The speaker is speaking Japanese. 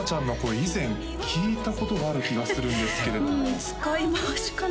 以前聞いたことがある気がするんですけれども使い回しかな？